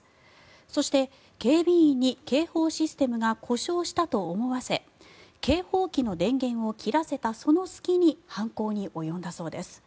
そして、警備員に警報システムが故障したと思わせ警報機の電源を切らせたその隙に犯行に及んだそうです。